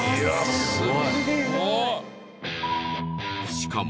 しかも